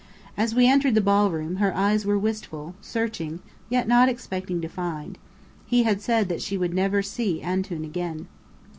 As we entered the ballroom, her eyes were wistful, searching, yet not expecting to find. He had said that she would never see Antoun again.